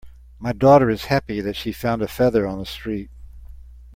My daughter is happy that she found a feather on the street.